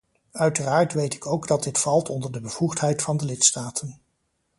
Uiteraard weet ik ook dat dit valt onder de bevoegdheid van de lidstaten.